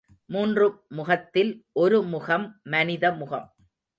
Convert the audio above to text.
மூன்று முகத்தில் ஒரு முகம் மனித முகம்.